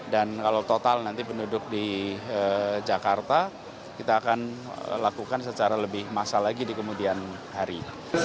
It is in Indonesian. dan kalau total nanti penduduk di jakarta kita akan lakukan secara lebih masa lagi di kemudian hari